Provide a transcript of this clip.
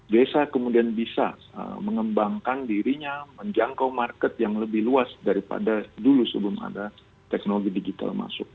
desa kemudian bisa mengembangkan dirinya menjangkau market yang lebih luas daripada dulu sebelum ada teknologi digital masuk